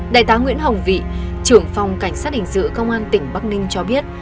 đại tá nguyễn hồng vị trưởng phòng cảnh sát hình sự công an tỉnh bắc ninh cho biết